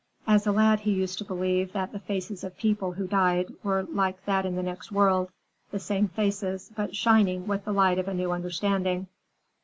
As a lad he used to believe that the faces of people who died were like that in the next world; the same faces, but shining with the light of a new understanding.